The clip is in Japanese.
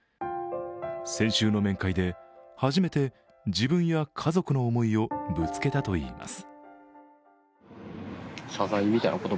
先週の面会で、初めて自分や家族の思いをぶつけたといいます。